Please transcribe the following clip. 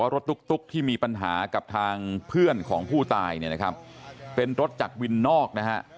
รถตุ๊กที่มีปัญหากับทางเพื่อนของผู้ตายเป็นรถจากวินนอก